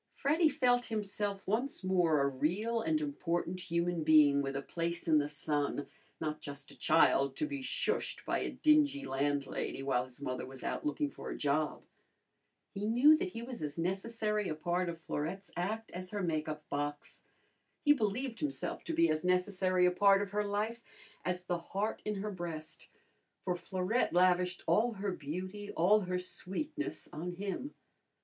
Freddy felt himself once more a real and important human being with a place in the sun, not just a child to be shushed by a dingy landlady while his mother was out looking for a job. He knew that he was as necessary a part of Florette's act as her make up box. He believed himself to be as necessary a part of her life as the heart in her breast, for Florette lavished all her beauty, all her sweetness on him.